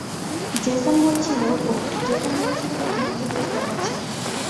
Jason বলেছিল ওর মধ্যে বেশ দম আছে।